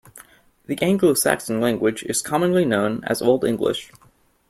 The Anglo-Saxon language is commonly known as Old English.